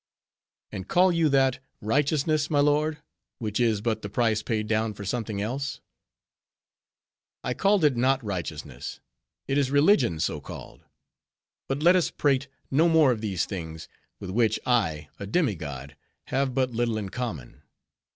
"And call you that righteousness, my lord, which is but the price paid down for something else?" "I called it not righteousness; it is religion so called. But let us prate no more of these things; with which I, a demi god, have but little in common.